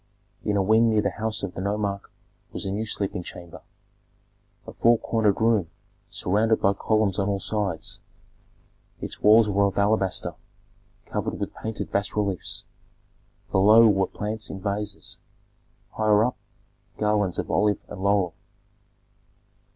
In a wing near the house of the nomarch was a new sleeping chamber, a four cornered room surrounded by columns on all sides. Its walls were of alabaster, covered with painted bas reliefs; below were plants in vases; higher up garlands of olive and laurel.